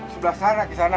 sebelah sana di sana